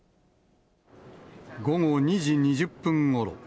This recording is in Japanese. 午後２時２０分ごろ。